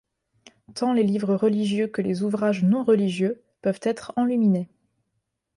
Tant les livres religieux que les ouvrages non-religieux peuvent être enluminés.